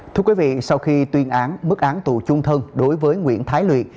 thưa quý vị sau khi tuyên án mức án tù chung thân đối với nguyễn thái luyện